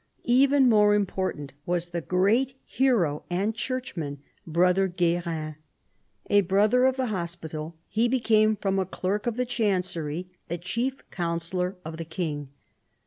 Even more important was the great hero and churchman, brother Guerin. A brother of the Hospital, he became from a clerk of the chancery the chief counsellor of the king.